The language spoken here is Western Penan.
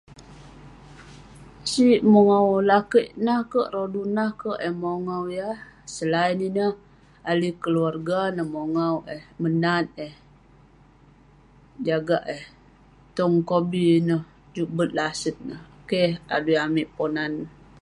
Sik mongau; lakeik nah kek, rodu nah kek, eh mongau yah. Selain ineh, ahli keluarga neh mongau eh, menat eh, jagak eh. Tong kobi neh juk bet laset neh. Keh adui amik Ponan